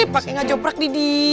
pak enga joprak di dia